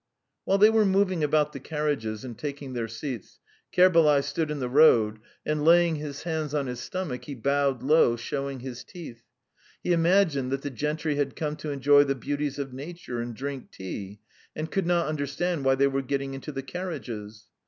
..." While they were moving about the carriages and taking their seats, Kerbalay stood in the road, and, laying his hands on his stomach, he bowed low, showing his teeth; he imagined that the gentry had come to enjoy the beauties of nature and drink tea, and could not understand why they were getting into the carriages.